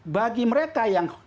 bagi mereka yang